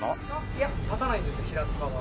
いや建たないんです平塚は。